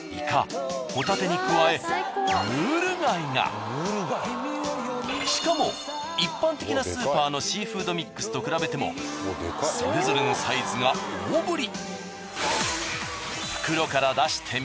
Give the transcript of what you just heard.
しかししかも一般的なスーパーのシーフードミックスと比べてもそれぞれのサイズが大ぶり。